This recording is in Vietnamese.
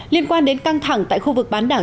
liên quan đến căng thẳng tại khu vực bán đảo